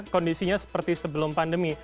kondisinya seperti sebelum pandemi